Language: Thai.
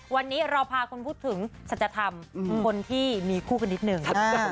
วันนี้เราพาคุณพูดถึงสัจธรรมคนที่มีคู่กันนิดนึง